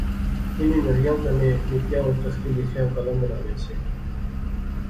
انیں نڑیاں کنے نکیاں او تختی لیخیاں قلم بنانے سے